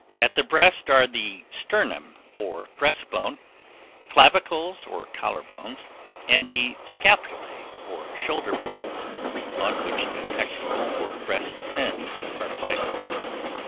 At the breast are the sternum or breastbone, clavicles or collar bones, and the scapulae or shoulder blades, on which the pectoral or breast fins are placed.